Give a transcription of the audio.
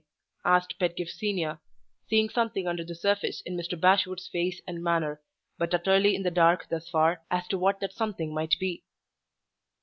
asked Pedgift Senior, seeing something under the surface in Mr. Bashwood's face and manner, but utterly in the dark thus far as to what that something might be.